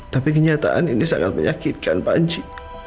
tapi kenyataan ini sangat menyakitkan panji